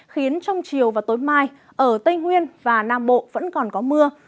khiến trong chiều và tối mai ở tây nguyên và nam bộ vẫn còn có mưa